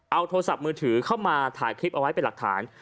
เอาโทรศัพท์มือถือเข้ามาถ่ายคลิปเอาไว้เป็นหลักฐาน